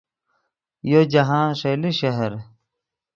یو جاہند ݰئیلے شہر